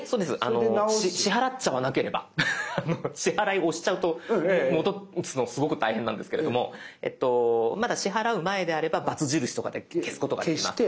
支払いを押しちゃうと戻すのすごく大変なんですけれどもまだ支払う前であればバツ印とかで消すことができます。